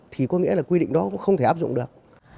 thì có nghĩa là quy định đó cũng không thể áp dụng được